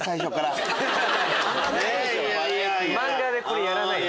漫画でこれやらないでしょ？